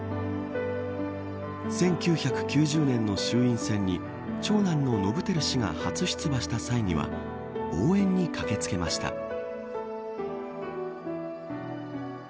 １９９０年の衆院選に長男の伸晃氏が初出馬した際には応援に駆け付けました。